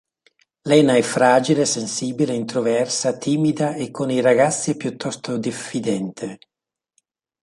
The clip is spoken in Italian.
Lena è fragile, sensibile, introversa, timida, e con i ragazzi è piuttosto diffidente.